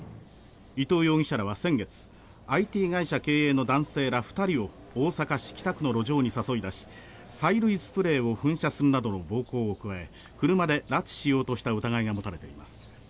伊藤容疑者らは先月ＩＴ会社経営の男性ら２人を大阪市北区の路上に誘い出し催涙スプレーを噴射するなどの暴行を加え車で拉致しようとした疑いが持たれています。